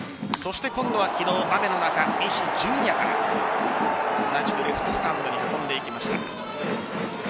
今度は昨日、雨の中、西純矢から同じくレフトスタンドに運んでいきました。